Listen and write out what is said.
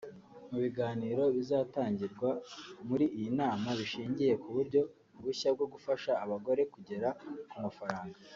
Mu biganiro bizatangirwa muri iyi nama bishingiye ku buryo bushya bwo gufasha abagore kugera ku mafaranga